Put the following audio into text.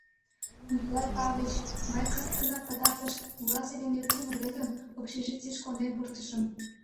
— Николай Павлыч, мый кызыт гына пытартыш улазе дене кум рвезым общежитийыш конден пуртышым.